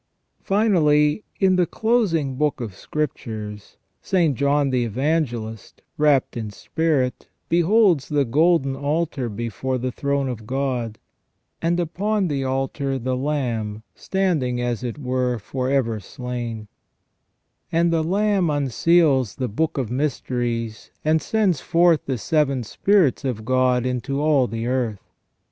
Finally, in the closing Book of Scriptures, St. John the Evangelist, rapt in spirit, beholds the golden altar before the throne of God, and upon the altar the Lamb standing as it were for ever slain ; and the Lamb unseals the book of mysteries, and sends forth the seven spirits of God into all the earth.